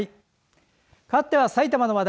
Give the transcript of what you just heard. かわってはさいたまの話題。